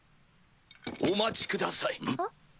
お待ちください！